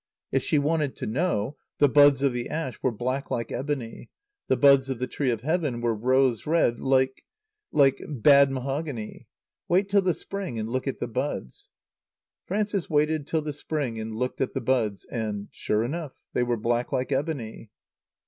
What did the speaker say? If she wanted to know, the buds of the ash were black like ebony. The buds of the tree of Heaven were rose red, like like bad mahogany. Wait till the spring and look at the buds. Frances waited till the spring and looked at the buds, and, sure enough, they were black like ebony.